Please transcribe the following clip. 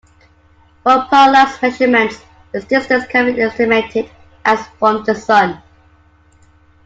From parallax measurements, its distance can be estimated as from the Sun.